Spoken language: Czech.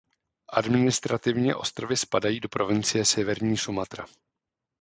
Administrativně ostrovy spadají do provincie Severní Sumatra.